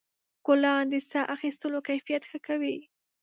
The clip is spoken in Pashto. ګلان د ساه اخیستلو کیفیت ښه کوي.